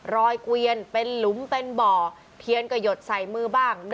รอยเกวียนเป็นหลุมเป็นเบาทียนกระหยดใส่มือบ้าง